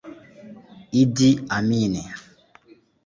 Idi Amin